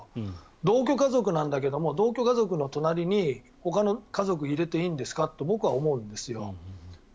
同居家族なんだけど同居家族の隣にほかの家族を入れていいんですかって僕は思うんですよ。